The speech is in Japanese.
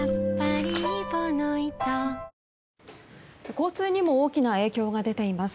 交通にも大きな影響が出ています。